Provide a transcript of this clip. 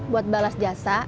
buat balas jasa